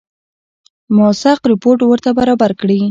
موثق رپوټ ورته برابر کړي.